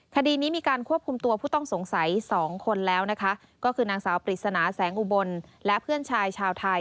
คดีนี้มีการควบคุมตัวผู้ต้องสงสัยสองคนแล้วนะคะก็คือนางสาวปริศนาแสงอุบลและเพื่อนชายชาวไทย